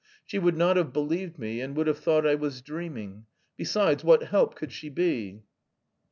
She would not have believed me, and would have thought I was dreaming. Besides, what help could she be?